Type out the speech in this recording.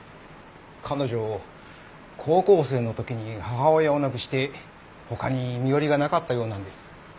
彼女高校生の時に母親を亡くして他に身寄りがなかったようなんです。